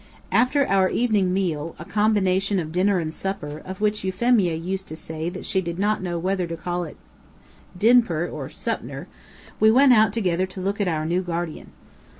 After our evening meal a combination of dinner and supper, of which Euphemia used to say that she did not know whether to call it dinper or supner we went out together to look at our new guardian.